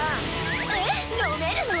えっ飲めるの？